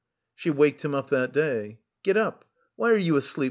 She waked him up that day. "Get up, why are you asleep?"